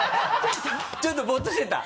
ちょっとボッとしてた？